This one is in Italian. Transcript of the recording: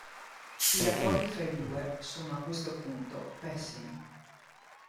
I rapporti fra i due sono, a questo punto, pessimi.